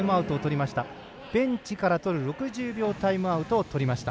ベンチからとる６０秒タイムアウトをとりました。